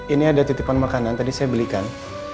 ini ada titipan makanan tadi saya belikan